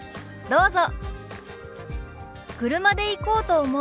どうぞ。